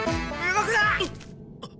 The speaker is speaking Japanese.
・動くな！